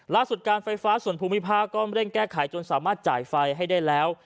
การไฟฟ้าส่วนภูมิภาคก็เร่งแก้ไขจนสามารถจ่ายไฟให้ได้แล้ว